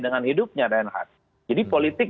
dengan hidupnya renhat jadi politik